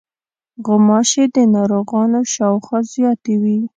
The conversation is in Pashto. غوماشې د ناروغانو شاوخوا زیاتې وي.